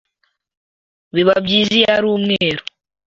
biba byiza iyo ari umweru